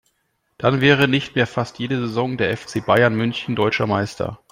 Dann wäre nicht mehr fast jede Saison der FC Bayern München deutscher Meister.